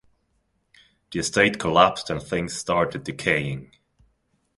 The estate collapsed and things started decaying.